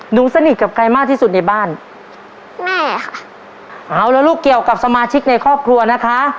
สนิทกับใครมากที่สุดในบ้านแม่ค่ะเอาแล้วลูกเกี่ยวกับสมาชิกในครอบครัวนะคะ